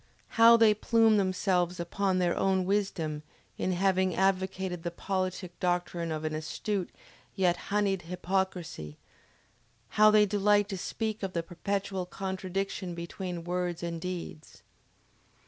How they plume themselves upon their own wisdom in having advocated the politic doctrine of an astute, yet honeyed hypocrisy; how they delight to speak of the perpetual contradiction between words and deeds!...